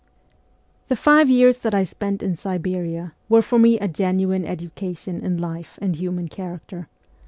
II THE five years that I spent in Siberia were for me a genuine education in life and human character.